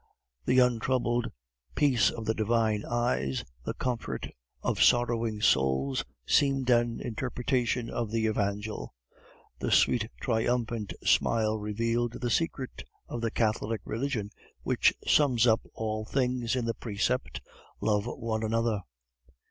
The untroubled peace of the divine eyes, the comfort of sorrowing souls, seemed an interpretation of the Evangel. The sweet triumphant smile revealed the secret of the Catholic religion, which sums up all things in the precept, "Love one another."